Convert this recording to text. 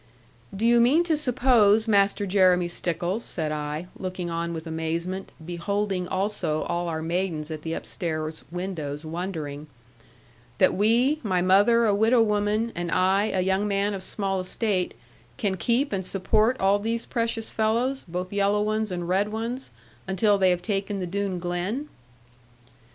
'Do you mean to suppose, Master Jeremy Stickles,' said I, looking on with amazement, beholding also all our maidens at the upstair windows wondering; 'that we, my mother a widow woman, and I a young man of small estate, can keep and support all these precious fellows, both yellow ones, and red ones, until they have taken the Doone Glen?'